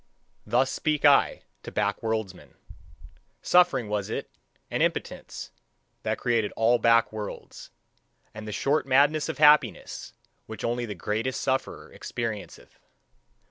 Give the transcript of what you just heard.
Thus speak I to backworldsmen. Suffering was it, and impotence that created all backworlds; and the short madness of happiness, which only the greatest sufferer experienceth.